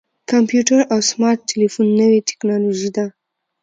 کمپیوټر او سمارټ ټلیفون نوې ټکنالوژي ده.